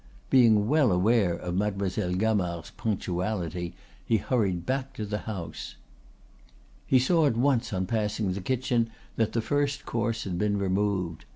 Being well aware of Mademoiselle Gamard's punctuality, he hurried back to the house. He saw at once on passing the kitchen door that the first course had been removed.